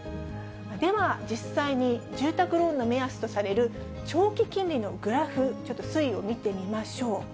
では実際に、住宅ローンの目安とされる、長期金利のグラフ、ちょっと推移を見てみましょう。